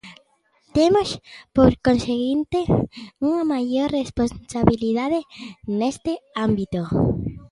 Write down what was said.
Temos, por conseguinte, unha maior responsabilidade neste ámbito.